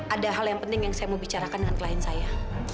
ada hal yang penting yang saya mau bicarakan dengan klien saya